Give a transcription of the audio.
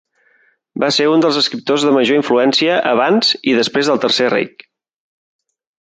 Va ser un dels escriptors de major influència abans i després del Tercer Reich.